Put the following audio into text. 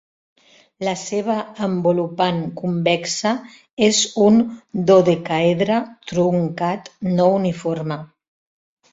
La seva envolupant convexa és un dodecàedre truncat no uniforme.